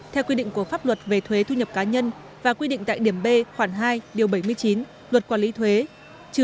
theo quy định của pháp luật về thuế thu nhập cá nhân và quy định tại điểm b khoản hai điều bảy mươi chín luật quản lý thuế